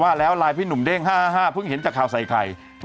ว่าแล้วไลน์พี่หนุ่มเด้ง๕๕เพิ่งเห็นจากข่าวใส่ไข่